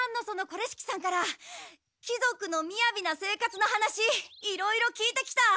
是式さんから貴族のみやびな生活の話いろいろ聞いてきた！